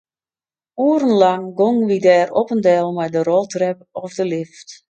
Oerenlang gongen wy dêr op en del mei de roltrep of de lift.